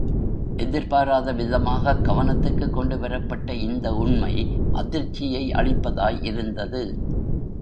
எதிர்பாராத விதமாகக் கவனத்துக்குக் கொண்டு வரப்பட்ட இந்த உண்மை அதிர்ச்சியை அளிப்பதாய் இருந்தது.